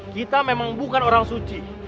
kita memang bukan orang suci